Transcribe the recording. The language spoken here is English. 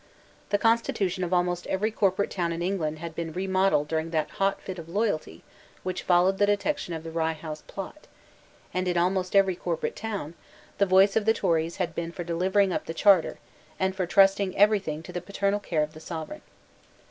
The constitution of almost every corporate town in England had been remodelled during that hot fit of loyalty which followed the detection of the Rye House Plot; and, in almost every corporate town, the voice of the Tories had been for delivering up the charter, and for trusting every thing to the paternal care of the Sovereign.